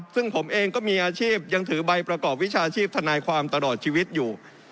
ซึ่งผมเองก็มีอาชีพยังถือใบประกอบวิชาชีพทนายความตลอดชีวิตอยู่